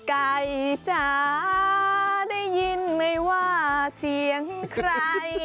ไก่จ๋าได้ยินไหมว่าเสียงใคร